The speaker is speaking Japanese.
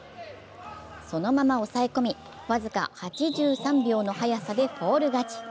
そのまま抑え込み僅か８３秒の早さでフォール勝ち。